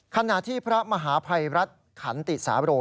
ขณะที่พระมหาภัยรัฐขันติสาโร